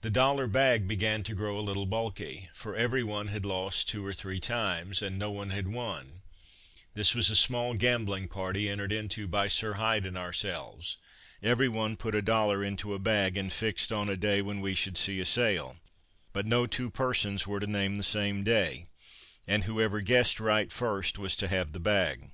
The dollar bag began to grow a little bulky, for every one had lost two or three times, and no one had won: this was a small gambling party entered into by Sir Hyde and ourselves; every one put a dollar into a bag, and fixed on a day when we should see a sail, but no two persons were to name the same day, and whoever guessed right first was to have the bag.